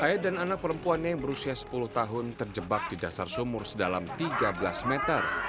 ayah dan anak perempuannya yang berusia sepuluh tahun terjebak di dasar sumur sedalam tiga belas meter